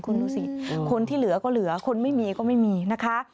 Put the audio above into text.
คุณดูสิคนที่เหลือก็เหลือคนไม่มีก็ไม่มีนะคะ